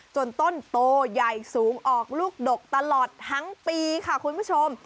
ต้นโตใหญ่สูงออกลูกดกตลอดทั้งปีค่ะคุณผู้ชม